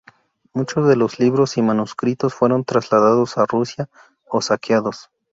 Muchos de los libros y manuscritos fueron trasladados a Rusia o saqueados.